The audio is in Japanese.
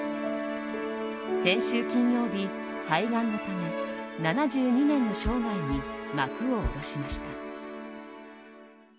先週金曜日、肺がんのため７２年の生涯に幕を下ろしました。